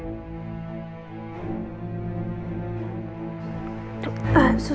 untuk mengucapkan terima kasih